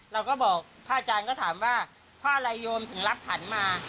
เราก็บอกพระอาจารย์ก็ถามว่าพระอะไรโยมถึงรับผันมา